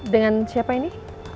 dengan siapa ini